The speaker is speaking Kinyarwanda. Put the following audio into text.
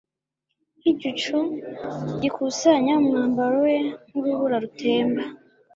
Nkigicu gikusanya umwambaro we nkurubura rutemba